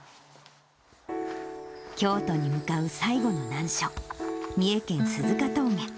京都に向かう最後の難所、三重県鈴鹿峠。